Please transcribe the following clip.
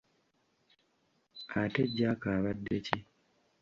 Ate Jack abadde ki?